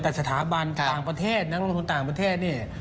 แต่สถาบันของนักคุณต่างประเทศเนี่ย